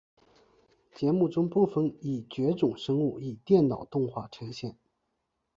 节目中部分已绝种生物以电脑动画呈现。